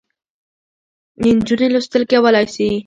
نجونې لوستل کولای سي.